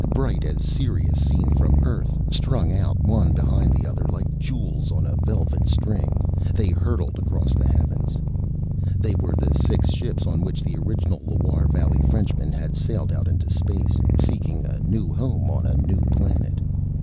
Bright as Sirius seen from Earth, strung out one behind the other like jewels on a velvet string, they hurtled across the heavens. They were the six ships on which the original Loire Valley Frenchmen had sailed out into space, seeking a home on a new planet.